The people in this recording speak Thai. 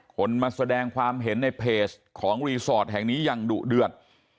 คนมาแสดงความเห็นในเพจของรีสอร์ทแห่งนี้อย่างดุเดือด